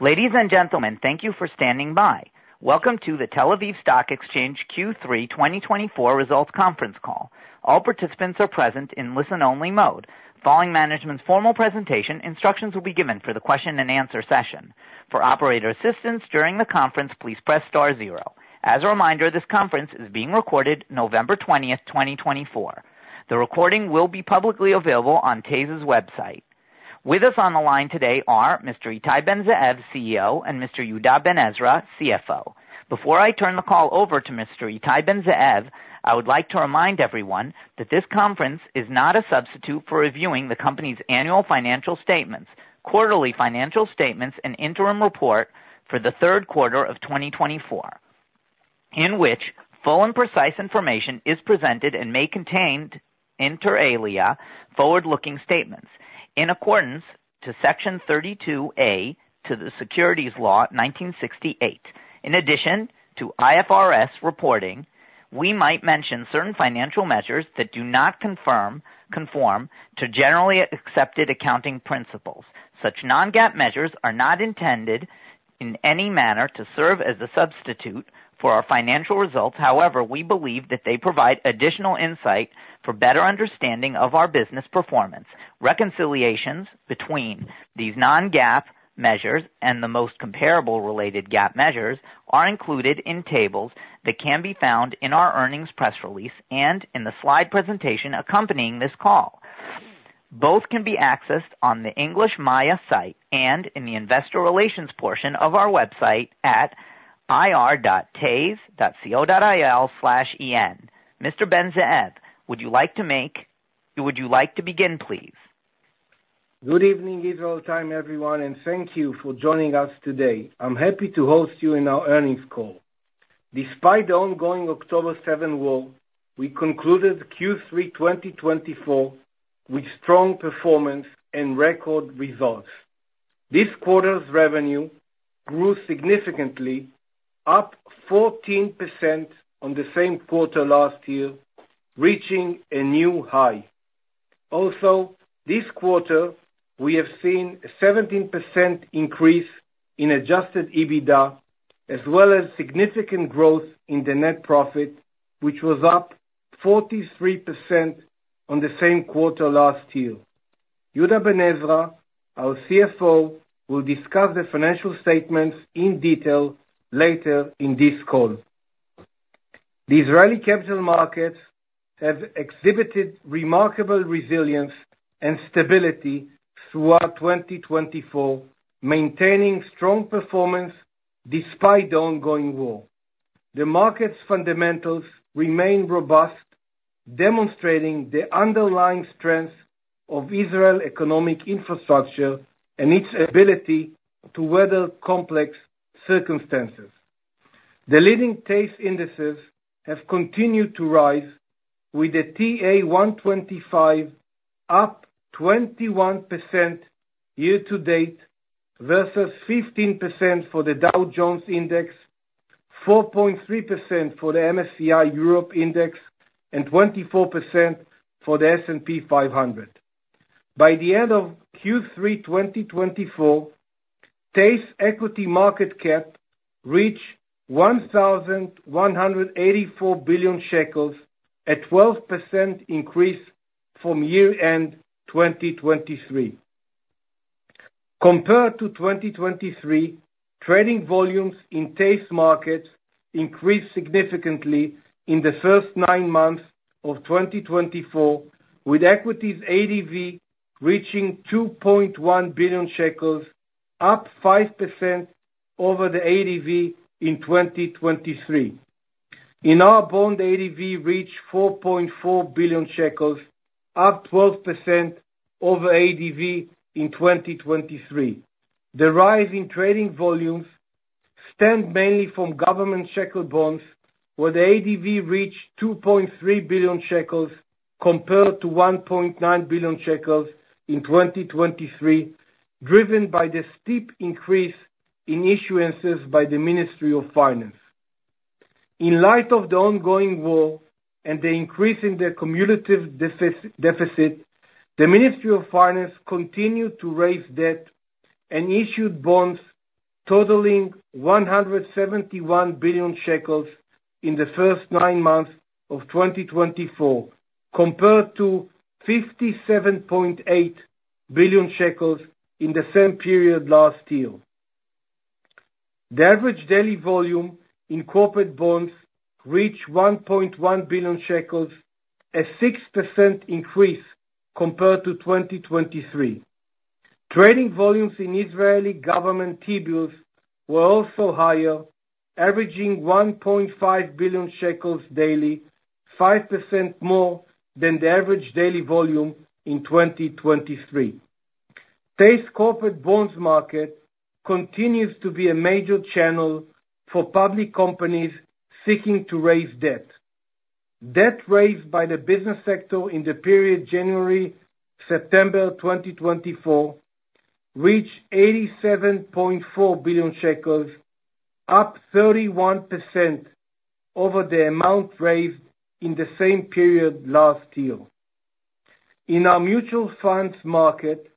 Ladies and gentlemen, thank you for standing by. Welcome to the Tel Aviv Stock Exchange Q3 2024 results conference call. All participants are present in listen-only mode. Following management's formal presentation, instructions will be given for the question-and-answer session. For operator assistance during the conference, please press star zero. As a reminder, this conference is being recorded November 20th, 2024. The recording will be publicly available on TASE's website. With us on the line today are Mr. Ittai Ben-Zeev, CEO, and Mr. Yehuda Ben-Ezra, CFO. Before I turn the call over to Mr. Ittai Ben-Zeev, I would like to remind everyone that this conference is not a substitute for reviewing the company's annual financial statements, quarterly financial statements, and interim report for the third quarter of 2024, in which full and precise information is presented and may contain inter alia, forward-looking statements in accordance to Section 32A to the Securities Law 1968. In addition to IFRS reporting, we might mention certain financial measures that do not conform to generally accepted accounting principles. Such non-GAAP measures are not intended in any manner to serve as a substitute for our financial results. However, we believe that they provide additional insight for better understanding of our business performance. Reconciliations between these non-GAAP measures and the most comparable related GAAP measures are included in tables that can be found in our earnings press release and in the slide presentation accompanying this call. Both can be accessed on the English MAYA site and in the investor relations portion of our website at ir.tase.co.il/en. Mr. Ben-Zeev, would you like to begin, please? Good evening, Israel time, everyone, and thank you for joining us today. I'm happy to host you in our earnings call. Despite the ongoing October 7 war, we concluded Q3 2024 with strong performance and record results. This quarter's revenue grew significantly, up 14% on the same quarter last year, reaching a new high. Also, this quarter, we have seen a 17% increase in adjusted EBITDA, as well as significant growth in the net profit, which was up 43% on the same quarter last year. Yehuda Ben-Ezra, our CFO, will discuss the financial statements in detail later in this call. The Israeli capital markets have exhibited remarkable resilience and stability throughout 2024, maintaining strong performance despite the ongoing war. The market's fundamentals remain robust, demonstrating the underlying strength of Israel's economic infrastructure and its ability to weather complex circumstances. The leading TASE indices have continued to rise, with the TA-125 up 21% year-to-date versus 15% for the Dow Jones Index, 4.3% for the MSCI Europe Index, and 24% for the S&P 500. By the end of Q3 2024, TASE equity market cap reached 1,184 billion shekels, a 12% increase from year-end 2023. Compared to 2023, trading volumes in TASE markets increased significantly in the first nine months of 2024, with equities ADV reaching 2.1 billion shekels, up 5% over the ADV in 2023. In our bond ADV, we reached 4.4 billion shekels, up 12% over ADV in 2023. The rise in trading volumes stemmed mainly from government shekel bonds, where the ADV reached 2.3 billion shekels compared to 1.9 billion shekels in 2023, driven by the steep increase in issuances by the Ministry of Finance. In light of the ongoing war and the increase in the cumulative deficit, the Ministry of Finance continued to raise debt and issued bonds totaling 171 billion shekels in the first nine months of 2024, compared to 57.8 billion shekels in the same period last year. The average daily volume in corporate bonds reached 1.1 billion shekels, a 6% increase compared to 2023. Trading volumes in Israeli government T-bills were also higher, averaging 1.5 billion shekels daily, 5% more than the average daily volume in 2023. TASE corporate bonds market continues to be a major channel for public companies seeking to raise debt. Debt raised by the business sector in the period January-September 2024 reached 87.4 billion shekels, up 31% over the amount raised in the same period last year. In our mutual funds market,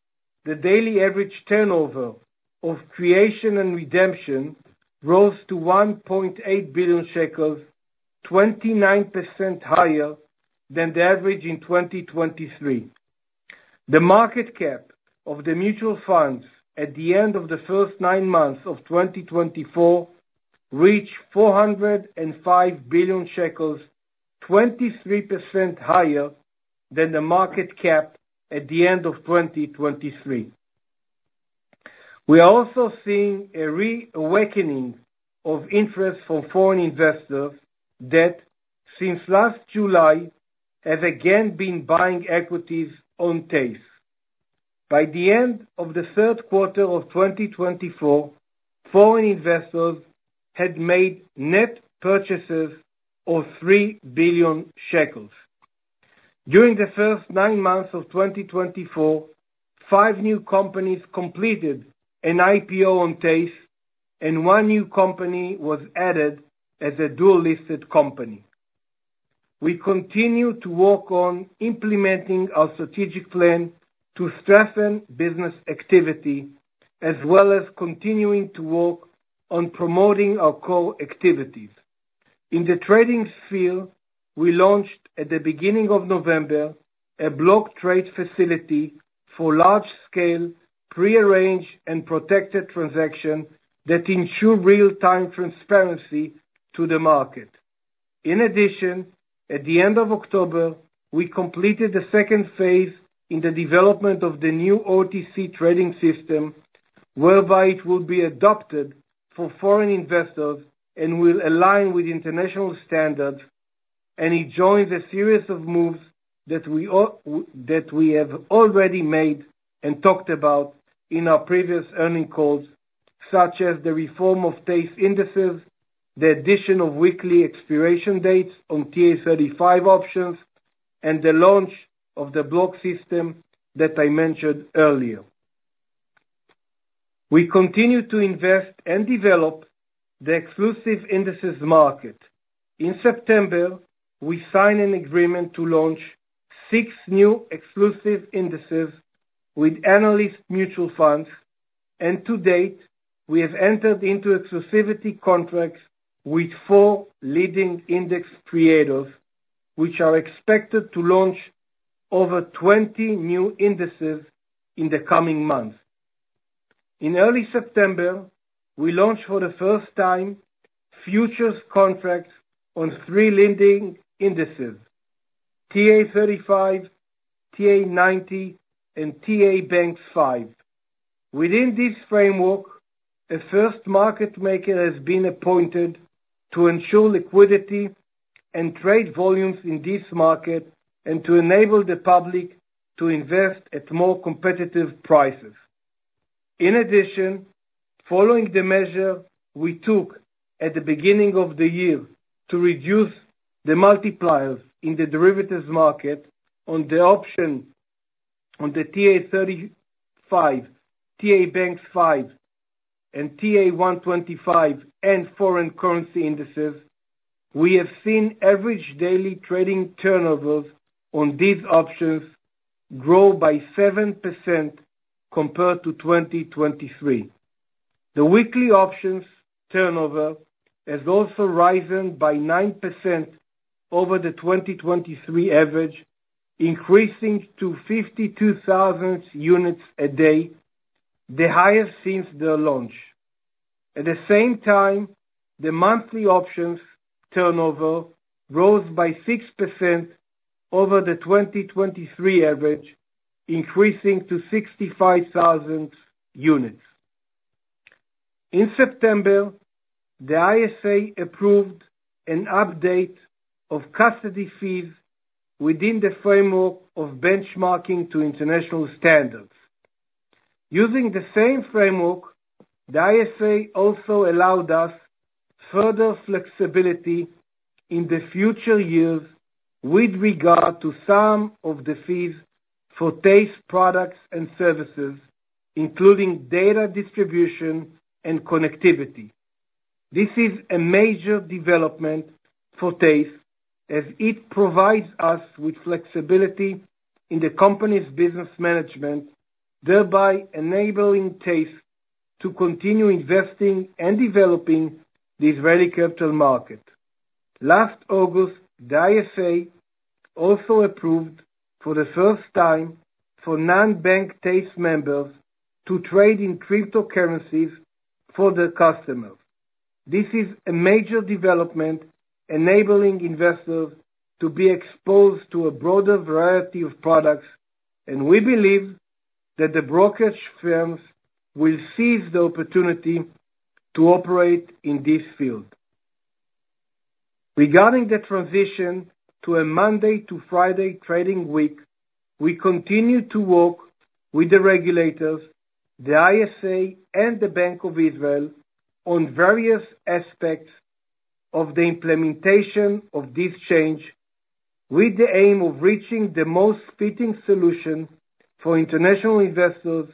the daily average turnover of creation and redemption rose to 1.8 billion shekels, 29% higher than the average in 2023. The market cap of the mutual funds at the end of the first nine months of 2024 reached ILS 405 billion, 23% higher than the market cap at the end of 2023. We are also seeing a reawakening of interest from foreign investors that, since last July, have again been buying equities on TASE. By the end of the third quarter of 2024, foreign investors had made net purchases of 3 billion shekels. During the first nine months of 2024, five new companies completed an IPO on TASE, and one new company was added as a dual-listed company. We continue to work on implementing our strategic plan to strengthen business activity, as well as continuing to work on promoting our core activities. In the trading sphere, we launched, at the beginning of November, a block trade facility for large-scale pre-arranged and protected transactions that ensure real-time transparency to the market. In addition, at the end of October, we completed the second phase in the development of the new OTC trading system, whereby it will be adopted for foreign investors and will align with international standards, and it joins a series of moves that we have already made and talked about in our previous earnings calls, such as the reform of TASE indices, the addition of weekly expiration dates on TA-35 options, and the launch of the block system that I mentioned earlier. We continue to invest and develop the exclusive indices market. In September, we signed an agreement to launch six new exclusive indices with Analyst Mutual Funds, and to date, we have entered into exclusivity contracts with four leading index creators, which are expected to launch over 20 new indices in the coming months. In early September, we launched for the first time futures contracts on three leading indices: TA-35, TA-90, and TA-Banks5. Within this framework, a first market maker has been appointed to ensure liquidity and trade volumes in this market and to enable the public to invest at more competitive prices. In addition, following the measure we took at the beginning of the year to reduce the multipliers in the derivatives market on the option on the TA-35, TA-Banks5, and TA-125 and foreign currency indices, we have seen average daily trading turnovers on these options grow by 7% compared to 2023. The weekly options turnover has also risen by 9% over the 2023 average, increasing to 52,000 units a day, the highest since their launch. At the same time, the monthly options turnover rose by 6% over the 2023 average, increasing to 65,000 units. In September, the ISA approved an update of custody fees within the framework of benchmarking to international standards. Using the same framework, the ISA also allowed us further flexibility in the future years with regard to some of the fees for TASE products and services, including data distribution and connectivity. This is a major development for TASE, as it provides us with flexibility in the company's business management, thereby enabling TASE to continue investing and developing the Israeli capital market. Last August, the ISA also approved, for the first time, for non-bank TASE members to trade in cryptocurrencies for their customers. This is a major development, enabling investors to be exposed to a broader variety of products, and we believe that the brokerage firms will seize the opportunity to operate in this field. Regarding the transition to a Monday to Friday trading week, we continue to work with the regulators, the ISA, and the Bank of Israel on various aspects of the implementation of this change, with the aim of reaching the most fitting solution for international investors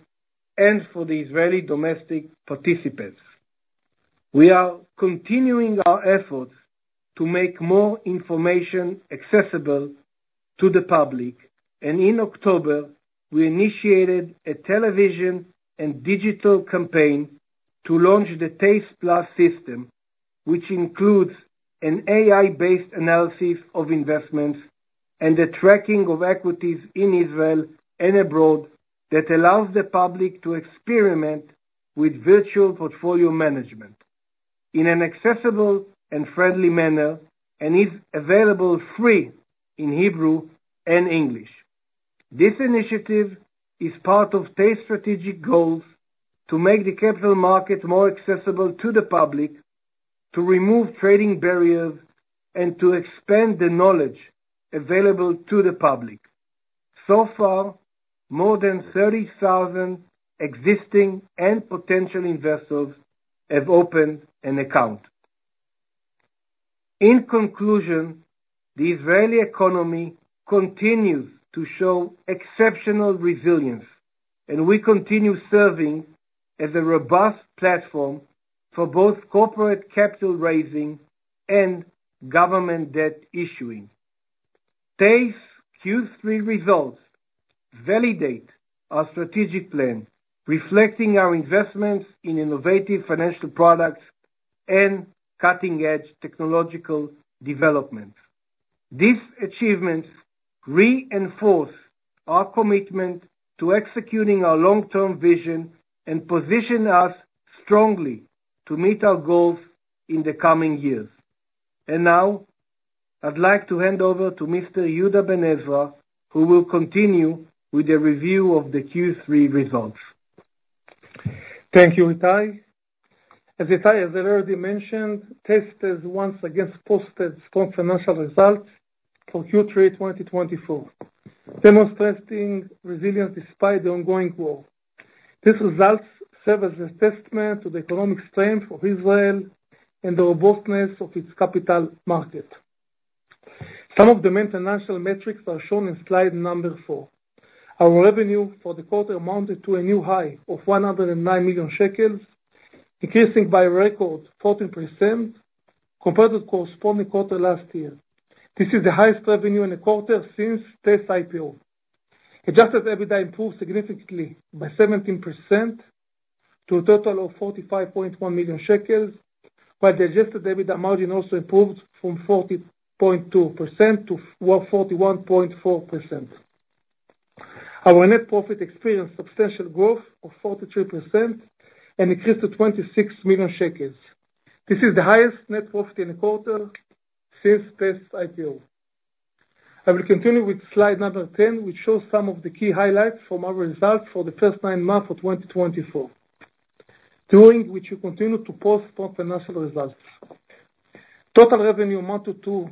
and for the Israeli domestic participants. We are continuing our efforts to make more information accessible to the public, and in October, we initiated a television and digital campaign to launch the TASE+ system, which includes an AI-based analysis of investments and the tracking of equities in Israel and abroad that allows the public to experiment with virtual portfolio management in an accessible and friendly manner and is available free in Hebrew and English. This initiative is part of TASE's strategic goals to make the capital market more accessible to the public, to remove trading barriers, and to expand the knowledge available to the public. So far, more than 30,000 existing and potential investors have opened an account. In conclusion, the Israeli economy continues to show exceptional resilience, and we continue serving as a robust platform for both corporate capital raising and government debt issuing. TASE Q3 results validate our strategic plan, reflecting our investments in innovative financial products and cutting-edge technological developments. These achievements reinforce our commitment to executing our long-term vision and position us strongly to meet our goals in the coming years. And now, I'd like to hand over to Mr. Yehuda Ben-Ezra, who will continue with the review of the Q3 results. Thank you, Ittai. As Ittai has already mentioned, TASE has once again posted strong financial results for Q3 2024, demonstrating resilience despite the ongoing war. These results serve as a testament to the economic strength of Israel and the robustness of its capital market. Some of the main financial metrics are shown in slide number four. Our revenue for the quarter amounted to a new high of 109 million shekels, increasing by a record 14% compared to the corresponding quarter last year. This is the highest revenue in the quarter since TASE's IPO. Adjusted EBITDA improved significantly by 17% to a total of 45.1 million shekels, while the adjusted EBITDA margin also improved from 40.2% to 41.4%. Our net profit experienced substantial growth of 43% and increased to 26 million shekels. This is the highest net profit in the quarter since TASE's IPO. I will continue with slide number 10, which shows some of the key highlights from our results for the first nine months of 2024, during which we continue to post strong financial results. Total revenue amounted to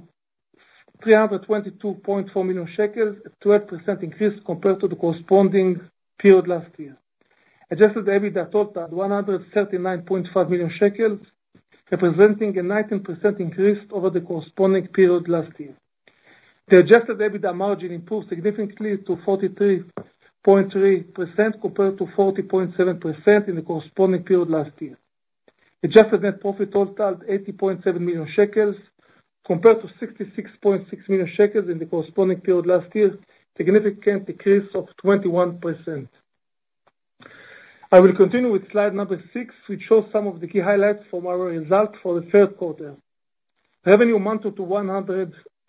322.4 million shekels, a 12% increase compared to the corresponding period last year. Adjusted EBITDA totaled at 139.5 million shekels, representing a 19% increase over the corresponding period last year. The adjusted EBITDA margin improved significantly to 43.3% compared to 40.7% in the corresponding period last year. Adjusted net profit totaled ILS 80.7 million, compared to 66.6 million shekels in the corresponding period last year, a significant decrease of 21%. I will continue with slide number six, which shows some of the key highlights from our results for the third quarter. Revenue amounted to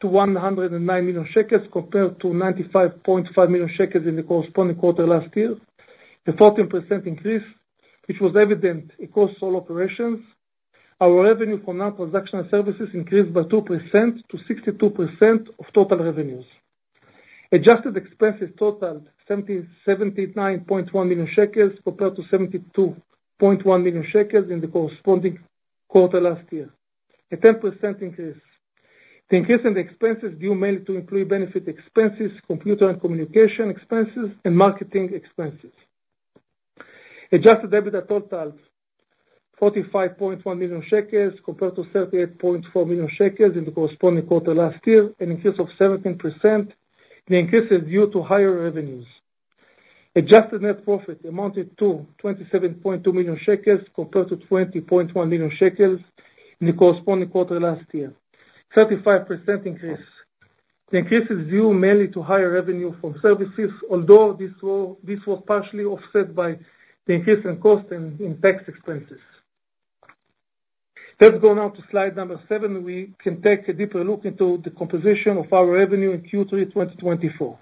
109 million shekels compared to 95.5 million shekels in the corresponding quarter last year, a 14% increase, which was evident across all operations. Our revenue from non-transactional services increased by 2% to 62% of total revenues. Adjusted expenses totaled 79.1 million shekels compared to 72.1 million shekels in the corresponding quarter last year, a 10% increase. The increase in the expenses due mainly to employee benefit expenses, computer and communication expenses, and marketing expenses. Adjusted EBITDA totaled 45.1 million shekels compared to 38.4 million shekels in the corresponding quarter last year, an increase of 17%. The increase is due to higher revenues. Adjusted net profit amounted to 27.2 million shekels compared to 20.1 million shekels in the corresponding quarter last year, a 35% increase. The increase is due mainly to higher revenue from services, although this was partially offset by the increase in cost and in tax expenses. Let's go now to slide number seven, where we can take a deeper look into the composition of our revenue in Q3 2024.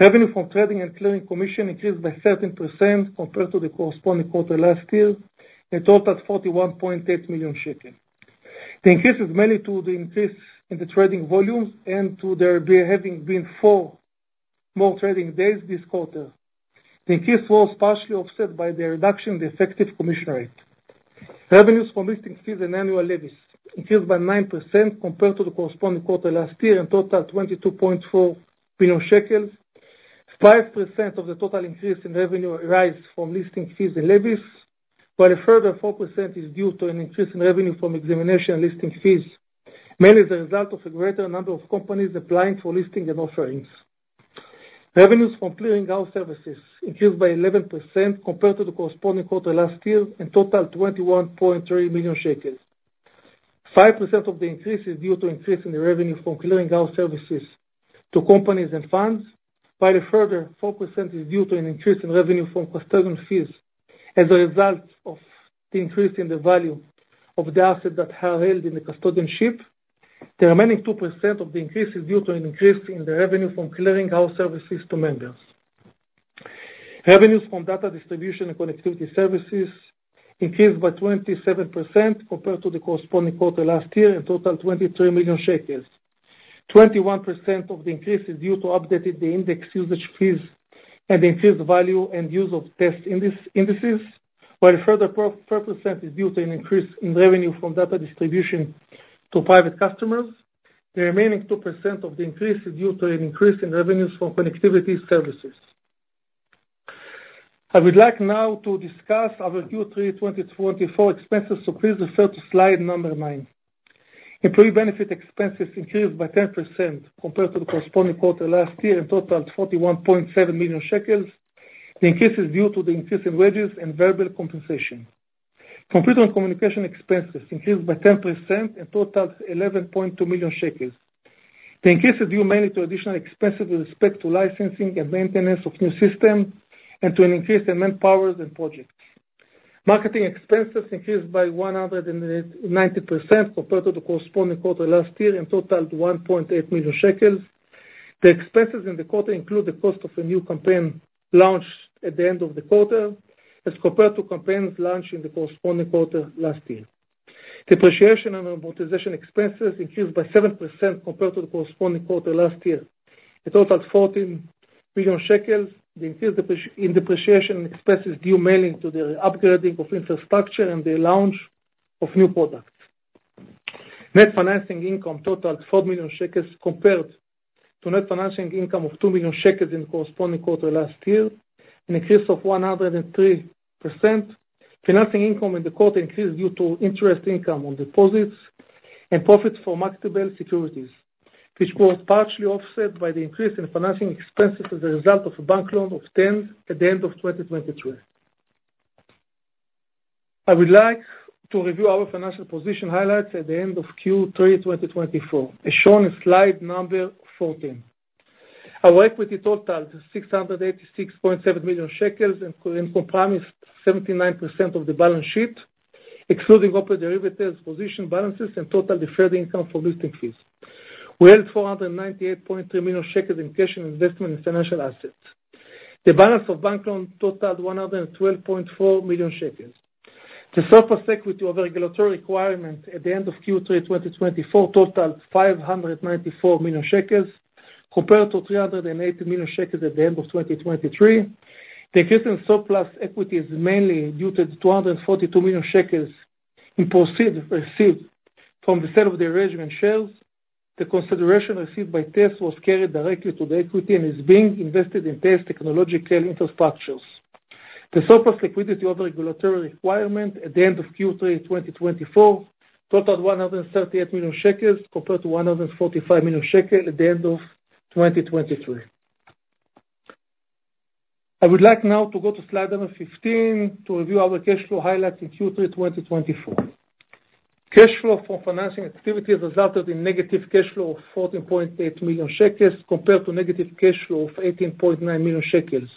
Revenue from trading and clearing commission increased by 13% compared to the corresponding quarter last year, and it totaled 41.8 million. The increase is mainly due to the increase in the trading volumes and to there having been four more trading days this quarter. The increase was partially offset by the reduction in the effective commission rate. Revenues from listing fees and annual levies increased by 9% compared to the corresponding quarter last year and totaled 22.4 million shekels. 5% of the total increase in revenue arises from listing fees and levies, while a further 4% is due to an increase in revenue from examination and listing fees, mainly as a result of a greater number of companies applying for listing and offerings. Revenues from clearing services increased by 11% compared to the corresponding quarter last year and totaled 21.3 million shekels. 5% of the increase is due to an increase in the revenue from clearing services to companies and funds, while a further 4% is due to an increase in revenue from custody fees as a result of the increase in the value of the assets that are held in custody. The remaining 2% of the increase is due to an increase in the revenue from clearing services to members. Revenues from data distribution and connectivity services increased by 27% compared to the corresponding quarter last year and totaled 23 million shekels. 21% of the increase is due to updated index usage fees and the increased value and use of TASE indices, while a further 4% is due to an increase in revenue from data distribution to private customers. The remaining 2% of the increase is due to an increase in revenues from connectivity services. I would like now to discuss our Q3 2024 expenses, so please refer to slide number nine. Employee benefit expenses increased by 10% compared to the corresponding quarter last year and totaled 41.7 million shekels. The increase is due to the increase in wages and variable compensation. Computer and communication expenses increased by 10% and totaled 11.2 million shekels. The increase is due mainly to additional expenses with respect to licensing and maintenance of new systems and to an increase in manpower and projects. Marketing expenses increased by 190% compared to the corresponding quarter last year and totaled 1.8 million shekels. The expenses in the quarter include the cost of a new campaign launched at the end of the quarter as compared to campaigns launched in the corresponding quarter last year. Depreciation and amortization expenses increased by 7% compared to the corresponding quarter last year. It totaled 14 million shekels. The increase in depreciation expenses is due mainly to the upgrading of infrastructure and the launch of new products. Net financing income totaled 4 million shekels compared to net financing income of 2 million shekels in the corresponding quarter last year, an increase of 103%. Financing income in the quarter increased due to interest income on deposits and profits from marketable securities, which was partially offset by the increase in financing expenses as a result of a bank loan obtained at the end of 2023. I would like to review our financial position highlights at the end of Q3 2024, as shown in slide number 14. Our equity totaled 686.7 million shekels and comprised 79% of the balance sheet, excluding operating derivatives, position balances, and total deferred income from listing fees. We held 498.3 million shekels in cash and investment in financial assets. The balance of bank loans totaled 112.4 million shekels. The surplus equity of regulatory requirements at the end of Q3 2024 totaled 594 million shekels compared to 380 million shekels at the end of 2023. The increase in surplus equity is mainly due to the 242 million shekels received from the sale of the arrangement shares. The consideration received by TASE was carried directly to the equity and is being invested in TASE technological infrastructures. The surplus liquidity of regulatory requirements at the end of Q3 2024 totaled 138 million shekels compared to 145 million shekels at the end of 2023. I would like now to go to slide number 15 to review our cash flow highlights in Q3 2024. Cash flow from financing activities resulted in negative cash flow of 14.8 million shekels compared to negative cash flow of 18.9 million shekels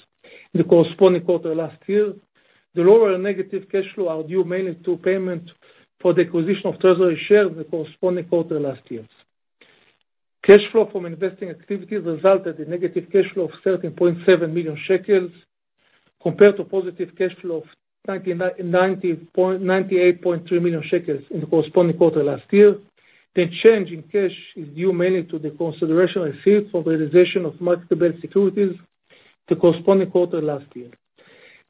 in the corresponding quarter last year. The lower negative cash flow is due mainly to payment for the acquisition of treasury shares in the corresponding quarter last year. Cash flow from investing activities resulted in negative cash flow of 13.7 million shekels compared to positive cash flow of 98.3 million in the corresponding quarter last year. The change in cash is due mainly to the consideration received from the realization of marketable securities in the corresponding quarter last year.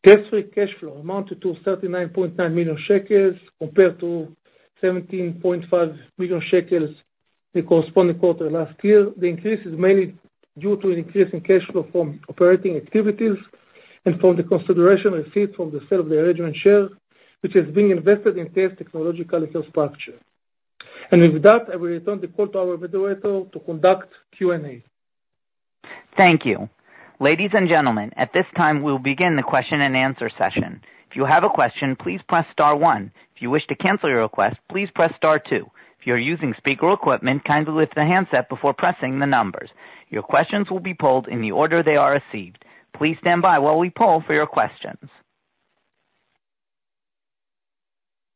Debt-free cash flow amounted to 39.9 million shekels compared to 17.5 million shekels in the corresponding quarter last year. The increase is mainly due to an increase in cash flow from operating activities and from the consideration received from the sale of the arrangement shares, which has been invested in TASE technological infrastructure. And with that, I will return the call to our moderator to conduct Q&A. Thank you. Ladies and gentlemen, at this time, we will begin the question and answer session. If you have a question, please press star one. If you wish to cancel your request, please press star two. If you are using speaker equipment, kindly lift the handset before pressing the numbers. Your questions will be polled in the order they are received. Please stand by while we poll for your questions.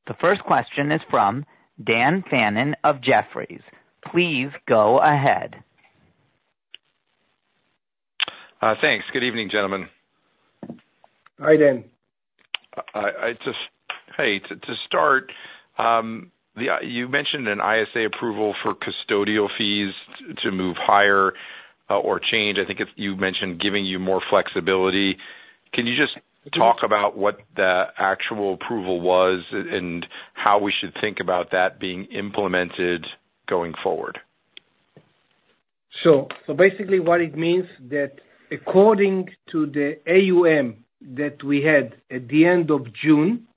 The first question is from Dan Fannon of Jefferies. Please go ahead. Thanks. Good evening, gentlemen. Hi, Dan. Hey, to start, you mentioned an ISA approval for custodial fees to move higher or change. I think you mentioned giving you more flexibility. Can you just talk about what the actual approval was and how we should think about that being implemented going forward? So basically, what it means is that according to the AUM that we had at the end of June,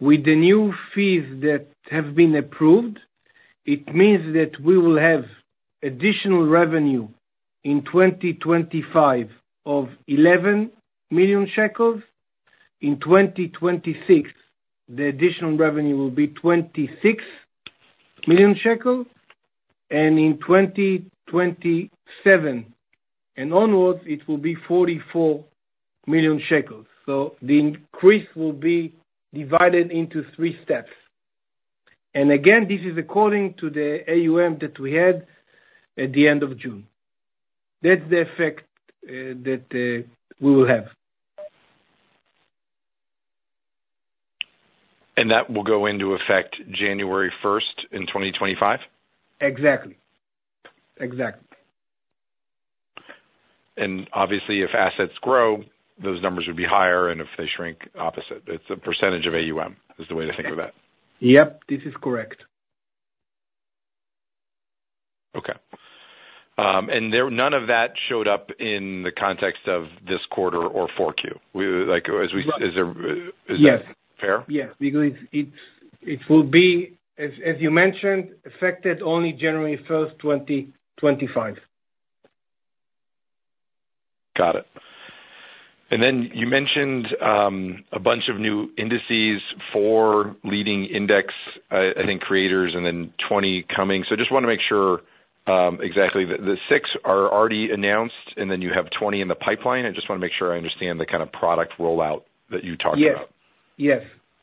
with the new fees that have been approved, it means that we will have additional revenue in 2025 of 11 million shekels. In 2026, the additional revenue will be 26 million shekels, and in 2027 and onwards, it will be 44 million shekels. So the increase will be divided into three steps. And again, this is according to the AUM that we had at the end of June. That's the effect that we will have. And that will go into effect January 1st in 2025? Exactly. Exactly. And obviously, if assets grow, those numbers would be higher, and if they shrink, opposite. It's a percentage of AUM is the way to think of that. Yep, this is correct. Okay. And none of that showed up in the context of this quarter or 4Q? Is that fair? Yes. Yes. Because it will be, as you mentioned, affected only January 1st, 2025. Got it. And then you mentioned a bunch of new indices, four leading index creators, I think, and then 20 coming. So I just want to make sure exactly that the six are already announced, and then you have 20 in the pipeline. I just want to make sure I understand the kind of product rollout that you talked about. Yes. Yes.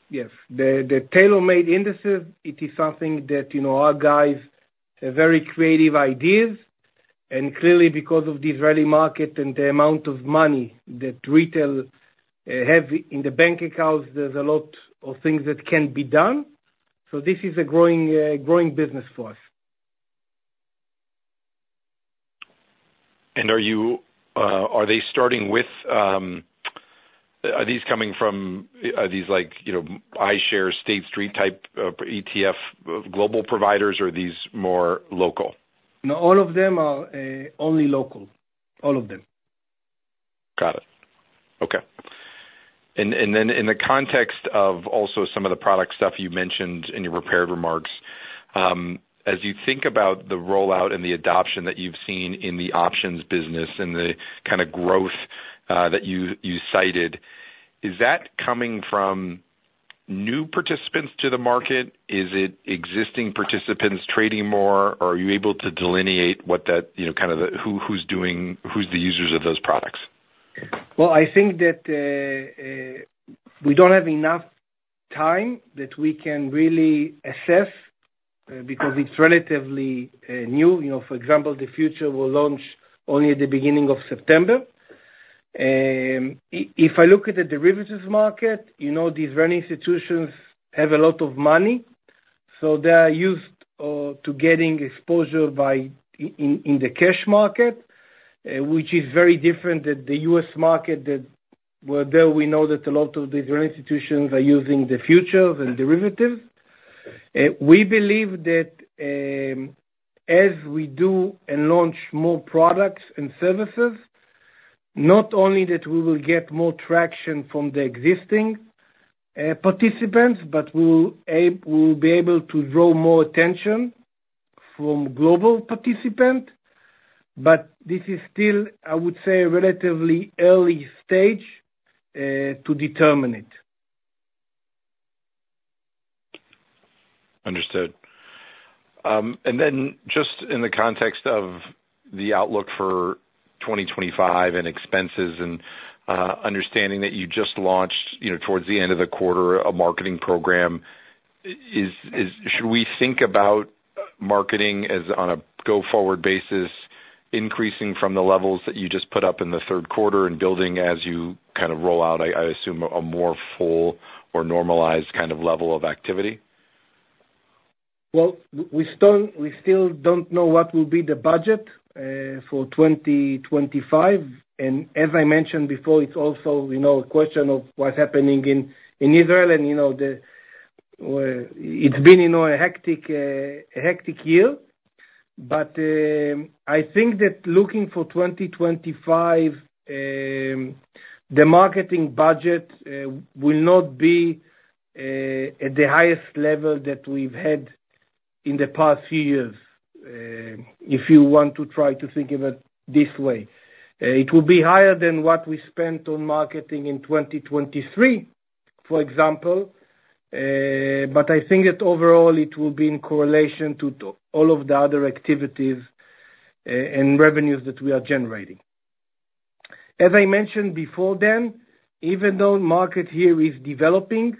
Yes. The tailor-made indices, it is something that our guys have very creative ideas. And clearly, because of this rally market and the amount of money that retail have in the bank accounts, there's a lot of things that can be done. So this is a growing business for us. And are they starting with? Are these coming from iShares, State Street type ETF global providers, or are these more local? No, all of them are only local. All of them. Got it. Okay. In the context of also some of the product stuff you mentioned in your prepared remarks, as you think about the rollout and the adoption that you've seen in the options business and the kind of growth that you cited, is that coming from new participants to the market? Is it existing participants trading more, or are you able to delineate what that kind of who's the users of those products? I think that we don't have enough time that we can really assess because it's relatively new. For example, the futures will launch only at the beginning of September.If I look at the derivatives market, these large institutions have a lot of money, so they are used to getting exposure in the cash market, which is very different than the US market, where we know that a lot of these institutions are using the futures and derivatives. We believe that as we do and launch more products and services, not only that we will get more traction from the existing participants, but we will be able to draw more attention from global participants. But this is still, I would say, a relatively early stage to determine it. Understood. And then just in the context of the outlook for 2025 and expenses and understanding that you just launched towards the end of the quarter a marketing program, should we think about marketing as on a go-forward basis, increasing from the levels that you just put up in the third quarter and building as you kind of roll out, I assume, a more full or normalized kind of level of activity? Well, we still don't know what will be the budget for 2025. And as I mentioned before, it's also a question of what's happening in Israel. And it's been a hectic year. But I think that looking for 2025, the marketing budget will not be at the highest level that we've had in the past few years, if you want to try to think of it this way. It will be higher than what we spent on marketing in 2023, for example, but I think that overall, it will be in correlation to all of the other activities and revenues that we are generating. As I mentioned before, Dan, even though the market here is developing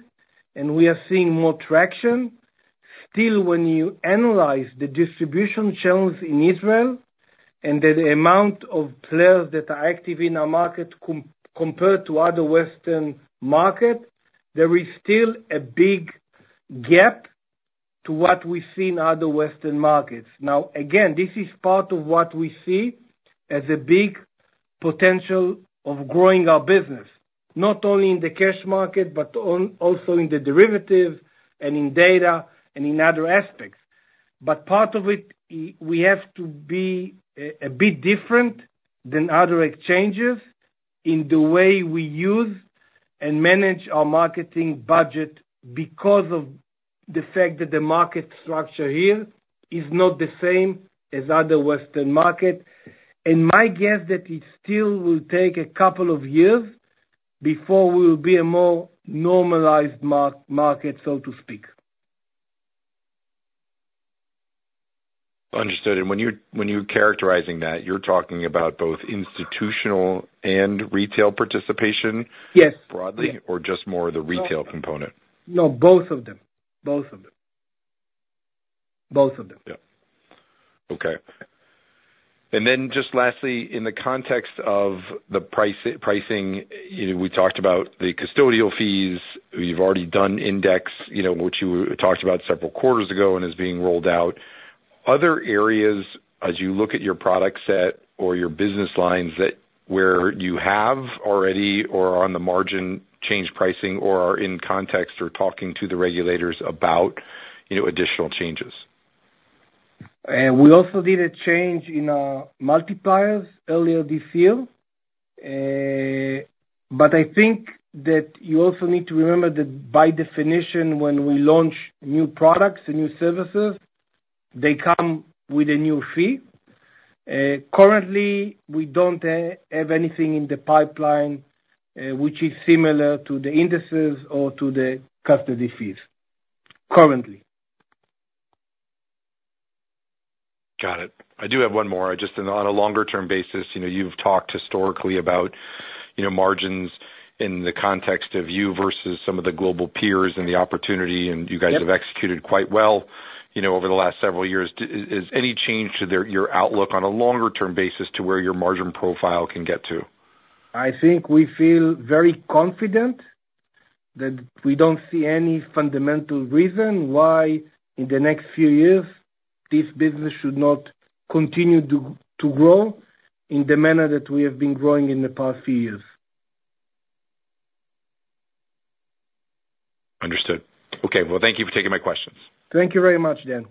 and we are seeing more traction, still, when you analyze the distribution channels in Israel and the amount of players that are active in our market compared to other Western markets, there is still a big gap to what we see in other Western markets. Now, again, this is part of what we see as a big potential of growing our business, not only in the cash market, but also in the derivatives and in data and in other aspects. But part of it, we have to be a bit different than other exchanges in the way we use and manage our marketing budget because of the fact that the market structure here is not the same as other Western markets. And my guess is that it still will take a couple of years before we will be a more normalized market, so to speak. Understood. And when you're characterizing that, you're talking about both institutional and retail participation broadly, or just more of the retail component? No, both of them. Both of them. Both of them. Yeah. Okay. And then just lastly, in the context of the pricing, we talked about the custodial fees. You've already done index, which you talked about several quarters ago and is being rolled out. Other areas, as you look at your product set or your business lines where you have already or are on the margin change pricing or are in context or talking to the regulators about additional changes? We also did a change in our multipliers earlier this year. But I think that you also need to remember that by definition, when we launch new products and new services, they come with a new fee. Currently, we don't have anything in the pipeline which is similar to the indices or to the custody fees. Currently. Got it. I do have one more. Just on a longer-term basis, you've talked historically about margins in the context of you versus some of the global peers and the opportunity, and you guys have executed quite well over the last several years. Is any change to your outlook on a longer-term basis to where your margin profile can get to? I think we feel very confident that we don't see any fundamental reason why in the next few years this business should not continue to grow in the manner that we have been growing in the past few years. Understood. Okay. Well, thank you for taking my questions. Thank you very much, Dan.